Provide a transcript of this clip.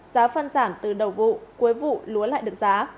giá phân giảm từ đầu vụ cuối vụ lúa lại được giá